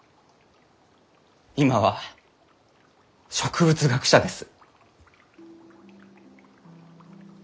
今は植物学者です。